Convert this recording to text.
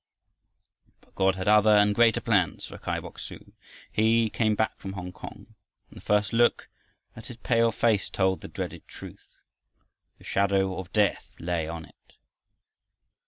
But God had other and greater plans for Kai Bok su. He came back from Hongkong, and the first look at his pale face told the dreaded truth. The shadow of death lay on it.